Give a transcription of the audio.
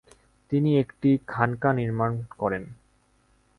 তিনি একটি খানকা নির্মাণ করেন।